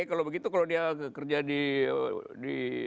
kalau begitu kalau dia kerja di